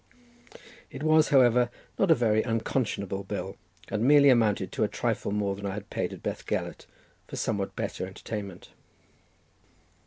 It was, however, not a very unconscionable bill, and merely amounted to a trifle more than I had paid at Bethgelert for somewhat better entertainment.